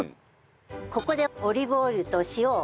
ここでオリーブオイルと塩を。